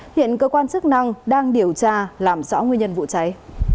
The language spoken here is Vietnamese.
hiện cơ quan chức năng đang điều tra làm rõ nguyên nhân vụ cháy